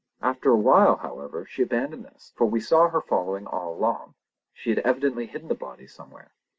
After a while, however, she abandoned this, for we saw her following all alone; she had evidently hidden the body somewhere.